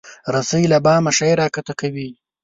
رسۍ له بامه شی راکښته کوي.